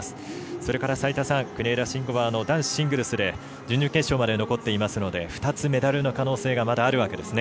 それから齋田さん、国枝慎吾は男子シングルスで準々決勝まで残っていますので２つメダルの可能性がまだあるんですね。